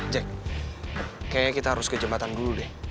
jack kayaknya kita harus ke jembatan dulu deh